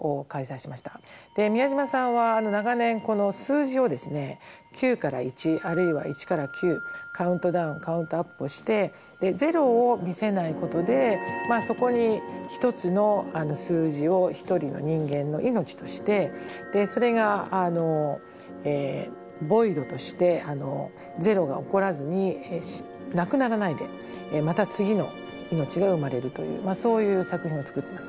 宮島さんは長年この数字をですね９から１あるいは１から９カウントダウンカウントアップをして０を見せないことでそこに一つの数字を一人の人間の命としてそれがＶＯＩＤとして０が起こらずになくならないでまた次の命が生まれるというそういう作品を作ってます。